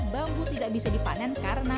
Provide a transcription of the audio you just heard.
bambu tidak bisa dipanen karena